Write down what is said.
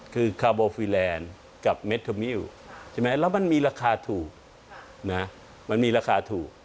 คือคาร์โบฟูรานกับเมทโมมิลแล้วมันมีราคาถูก